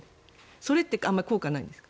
それってあまり効果がないですか？